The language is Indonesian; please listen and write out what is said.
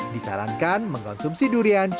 disarankan mengonsumsi durian ya